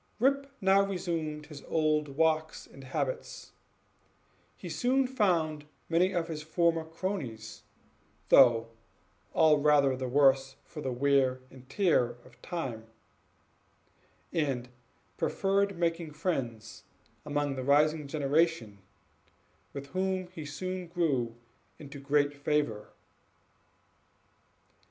Rip now resumed his old walks and habits; he soon found many of his former cronies, though all rather the worse for the wear and tear of time; and preferred making friends among the rising generation, with whom he soon grew into great favor.